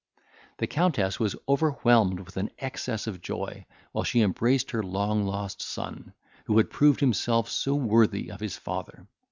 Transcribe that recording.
The Countess was overwhelmed with an excess of joy, while she embraced her long lost son, who had proved himself so worthy of his father.